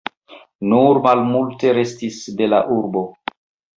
Nur malmulte restis de la urbo.